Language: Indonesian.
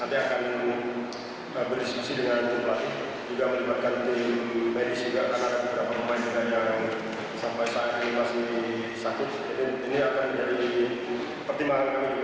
jadi ini akan menjadi pertimbangan kami juga